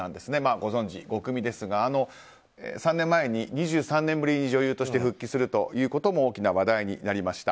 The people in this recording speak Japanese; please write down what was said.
ご存じ、ゴクミですが３年前に２３年ぶりに女優として復帰するということも大きな話題になりました。